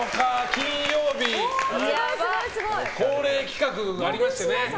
金曜日恒例企画がありましてね。